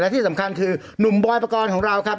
ที่สำคัญคือหนุ่มบอยปกรณ์ของเราครับ